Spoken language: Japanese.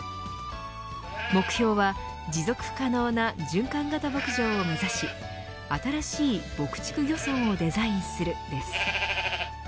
目標は持続可能な循環型牧場を目指し新しい牧畜漁村をデザインするです。